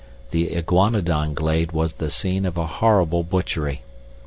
The iguanodon glade was the scene of a horrible butchery.